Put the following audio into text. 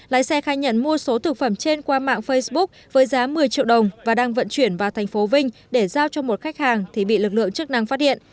lái xe khai nhận mua số thực phẩm trên qua mạng facebook với giá một mươi triệu đồng và đang vận chuyển vào thành phố vinh để giao cho một khách hàng thì bị lực lượng chức năng phát hiện